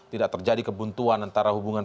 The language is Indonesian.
tidak terjadi kebuntuan antara hubungan